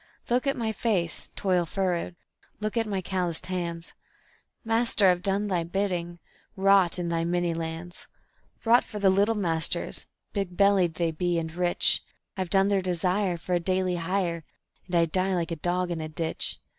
Look at my face, toil furrowed; look at my calloused hands; Master, I've done Thy bidding, wrought in Thy many lands Wrought for the little masters, big bellied they be, and rich; I've done their desire for a daily hire, and I die like a dog in a ditch.